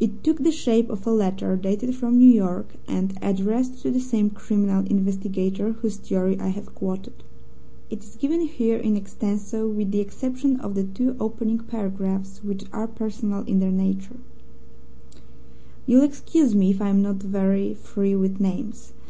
It took the shape of a letter dated from New York, and addressed to the same criminal investigator whose theory I have quoted. It is given here in extenso, with the exception of the two opening paragraphs, which are personal in their nature: "You'll excuse me if I'm not very free with names.